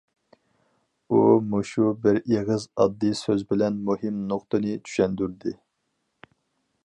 ئۇ مۇشۇ بىر ئېغىز ئاددىي سۆزى بىلەن مۇھىم نۇقتىنى چۈشەندۈردى.